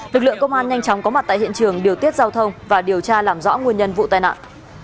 lực lượng công an nhanh chóng có mặt tại hiện trường điều tiết giao thông và điều tra làm rõ nguyên nhân vụ tai nạn